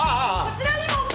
こちらにも。